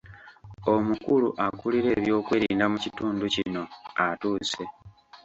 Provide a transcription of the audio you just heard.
Omukulu akulira eby'okwerinda mu kitundu kino atuuse.